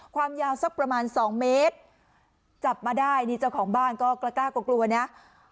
ความยาวสักประมาณสองเมตรจับมาได้นี่เจ้าของบ้านก็กล้ากลัวกลัวนะ